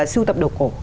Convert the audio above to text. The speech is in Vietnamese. siêu tập đồ cổ